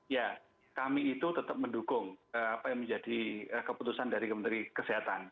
ya kami itu tetap mendukung apa yang menjadi keputusan dari kementerian kesehatan